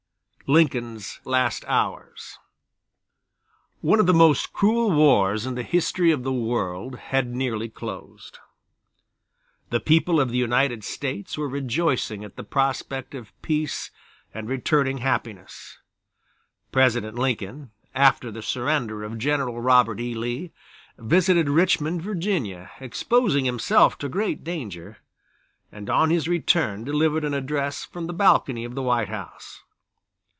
Lincoln's Last Hours One of the most cruel wars in the history of the world had nearly closed. The people of the United States were rejoicing at the prospect of peace and returning happiness. President Lincoln, after the surrender of General Robert E. Lee, visited Richmond, Virginia, exposing himself to great danger, and on his return delivered an address from the balcony of the White House.